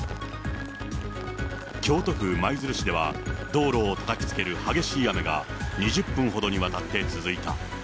京都府舞鶴市では、道路をたたきつける激しい雨が、２０分ほどにわたって続いた。